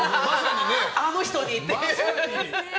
あの人にって。